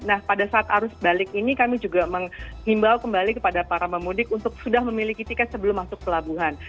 nah pada saat arus balik ini kami juga menghimbau kembali kepada para pemudik untuk sudah memiliki tiket sebelum masuk pelabuhan